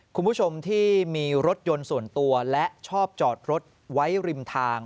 คุณผู้ชมที่มีรถยนต์ส่วนตัวและชอบจอดรถไว้ริมทาง